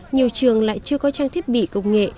nhiều trường lại chưa có trang thiết bị công nghệ